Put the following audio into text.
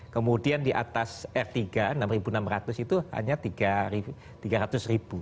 kemudian di atas r tiga rp enam enam ratus itu hanya tiga ratus